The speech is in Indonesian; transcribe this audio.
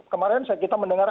kemarin kita mendengar